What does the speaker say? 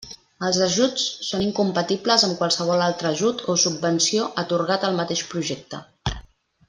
Els ajuts són incompatibles amb qualsevol altre ajut o subvenció atorgat al mateix projecte.